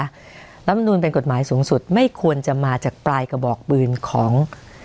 รัฐมนุนเป็นกฎหมายสูงสุดไม่ควรจะมาจากปลายกระบอกปืนของ